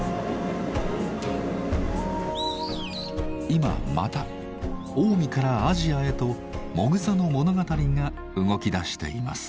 今また近江からアジアへともぐさの物語が動きだしています。